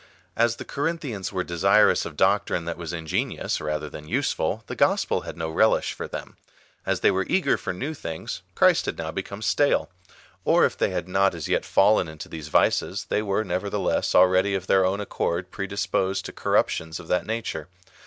As the Corinthians were desirous of doctrine that was ingenious, rather than useful, the gospel had no relish for them. As they were eager for new things, Christ had now become stale. Or if they had not as yet fallen into these vices, they were, nevertheless, already of their own accord predisposed to corruptions of that nature.